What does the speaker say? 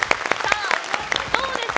どうですか。